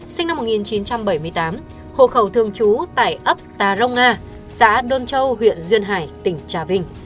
sinh năm một nghìn chín trăm bảy mươi tám hồ khẩu thương chú tại ấp tà rông nga xã đôn châu huyện duyên hải tỉnh trà vinh